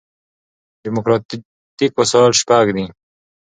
ډیموکراټیک وسایل شپږ دي.